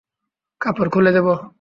কাপড় খুলে দেব?